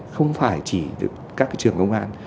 không phải chỉ các trường công an